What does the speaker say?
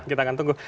kita akan tunggu